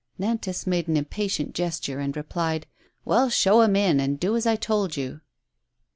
Nantas made an impatient gesture and replied: "Well, show him in, and do as I told you."